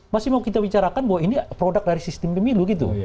masih mau kita bicarakan bahwa ini produk dari sistem pemilu gitu